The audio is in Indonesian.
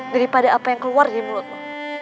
daripada apa yang keluar dari mulut lo